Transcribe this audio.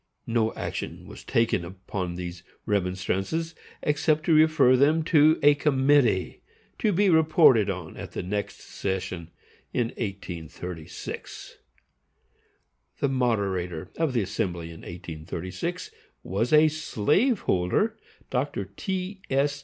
No action was taken upon these remonstrances, except to refer them to a committee, to be reported on at the next session, in 1836. The moderator of the assembly in 1836 was a slave holder, Dr. T. S.